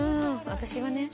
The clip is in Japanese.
私はね。